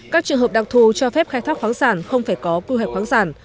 các trường hợp đặc thù cho phép khai thác khoáng sản không phải có quy hoạch khoáng sản